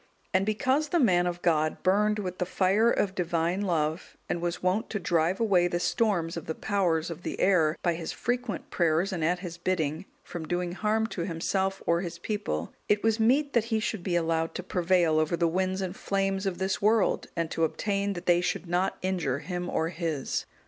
And because the man of God burned with the fire of divine love, and was wont to drive away the storms of the powers of the air, by his frequent prayers and at his bidding, from doing harm to himself, or his people, it was meet that he should be allowed to prevail over the winds and flames of this world, and to obtain that they should not injure him or his.